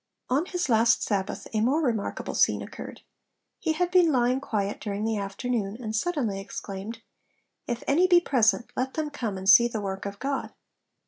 On his last Sabbath a more remarkable scene occurred. He had been lying quiet during the afternoon, and suddenly exclaimed, 'If any be present let them come and see the work of God.'